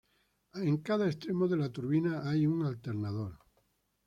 En cada extremo de la turbina hay un alternador.